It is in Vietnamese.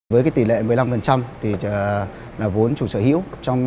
với tỷ lệ một mươi năm thì là vốn chủ sở hữu